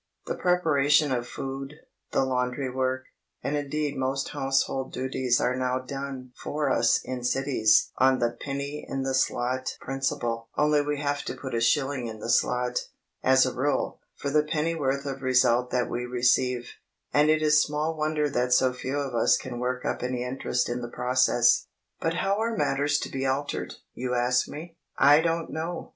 The preparation of food, the laundry work, and indeed most household duties are now done for us in cities on the "penny in the slot" principle (only we have to put a shilling in the slot, as a rule, for the pennyworth of result that we receive); and it is small wonder that so few of us can work up any interest in the process. But how are matters to be altered? you ask me. I don't know!